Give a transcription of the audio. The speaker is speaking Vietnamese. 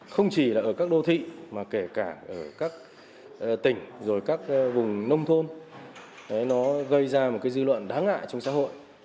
không chỉ là ở các đô thị mà kể cả ở các tỉnh rồi các vùng nông thôn nó gây ra một dư luận đáng ngại trong xã hội